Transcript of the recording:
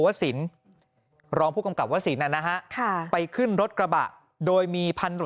วศิลป์รองผู้กำกับวศิลป์นั้นนะฮะไปขึ้นรถกระบะโดยมีพันธุ์